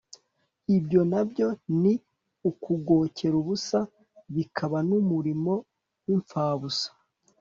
ibyo na byo ni ukugokera ubusa, bikaba n'umurimo w'impfabusa